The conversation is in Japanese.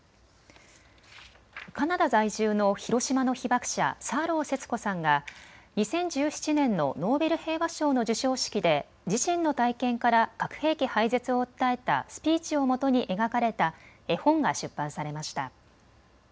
カナダ在住の広島の被爆者、サーロー節子さんが２０１７年のノーベル平和賞の授賞式で自身の体験から核兵器廃絶を訴えたスピーチをもとに描かれた絵本が出版されました。